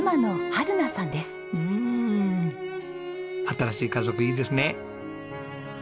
新しい家族いいですね。